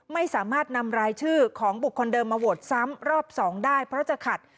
ไม่สามารถนำรายชื่อของบุคคลเดิมมาโหวตซ้ำรอบ๒ได้เพราะจะขัด